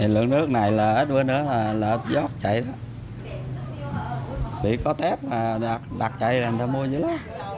lượng nước này là ít bữa nữa là lợp dốc chạy đó vì có tép mà đặt chạy là người ta mua dữ lắm